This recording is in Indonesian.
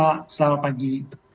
ya terima kasih pak selamat pagi